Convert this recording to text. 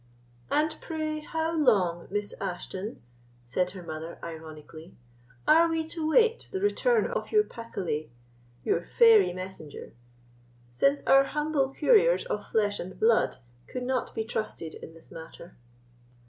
"And pray how long, Miss Ashton," said her mother, ironically, "are we to wait the return of your Pacolet—your fairy messenger—since our humble couriers of flesh and blood could not be trusted in this matter?"